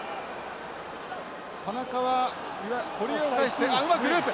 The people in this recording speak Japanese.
田中は堀江を介してうまくループ！